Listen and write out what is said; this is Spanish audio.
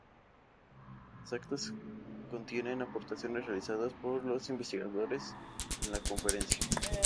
Las actas contienen las aportaciones realizadas por los investigadores en la conferencia.